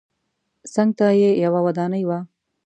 څنګ ته یې یوه ودانۍ وه.